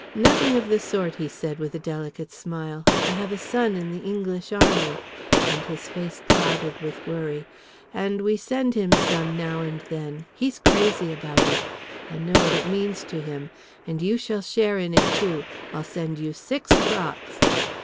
"Nothing of the sort," he said, with a delicate smile. "I have a son in the English Army," and his face clouded with worry, "and we send him some now and then, he's crazy about it. I know what it means to him. And you shall share in it too. I'll send you six crocks."